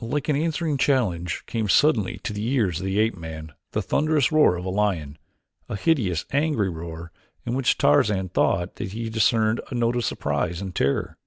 Like an answering challenge came suddenly to the ears of the ape man the thunderous roar of a lion, a hideous angry roar in which Tarzan thought that he discerned a note of surprise and terror.